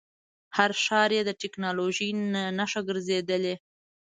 هر ښار یې د ټکنالوژۍ نښه ګرځېدلی.